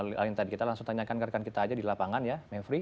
yang tadi kita langsung tanyakan ke rekan kita aja di lapangan ya mevri